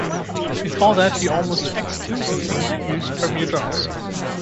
Before that he almost exclusively used Premier drums.